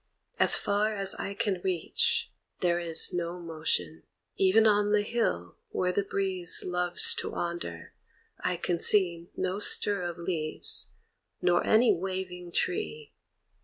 As far as eye can reach There is no motion. Even on the hill Where the breeze loves to wander I can see No stir of leaves, nor any waving tree.